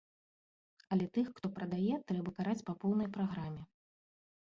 Але тых, хто прадае, трэба караць па поўнай праграме.